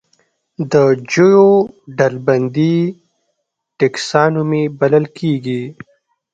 د ژویو ډلبندي ټکسانومي بلل کیږي